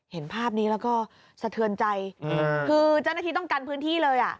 เห็นภาพนี้แล้วก็สะเทือนใจคือเจ้าหน้าที่ต้องกันพื้นที่เลยอ่ะ